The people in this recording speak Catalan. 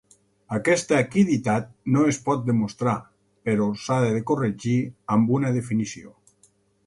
Aquesta quiditat no es pot demostrar, però s'ha de corregir amb una definició.